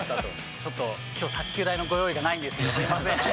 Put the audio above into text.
ちょっときょう、卓球台のご用意がないんですが、すみません。